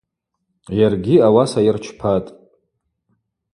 Йаргьи ауаса йырчпатӏ.